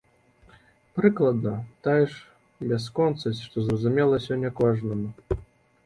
Прыкладна тая ж бясконцасць, што зразумела сёння кожнаму.